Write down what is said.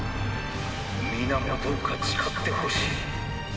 「皆もどうか誓ってほしい。